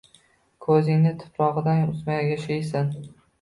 Ko’zingni tuproqdan uzmay yashaysan.